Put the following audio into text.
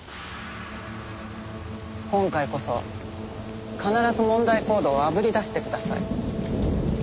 今回こそ必ず問題行動をあぶり出してください。